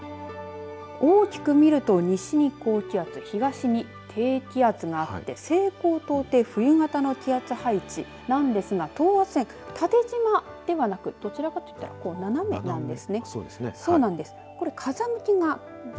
大きく見ると西に高気圧東に低気圧があって西高東低冬型の気圧配置なんですが等圧線、縦じまではなくどちらかといったら斜めなんです。